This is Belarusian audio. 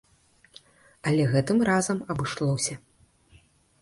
Але гэтым разам абышлося.